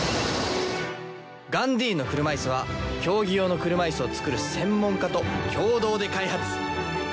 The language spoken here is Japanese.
ガンディーンの車いすは競技用の車いすを作る専門家と共同で開発。